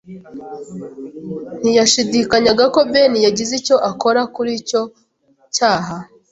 Ntiyashidikanyaga ko Ben yagize icyo akora kuri icyo cyaha.